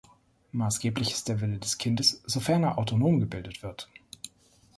Maßgeblich ist der Wille des Kindes, sofern er autonom gebildet wird.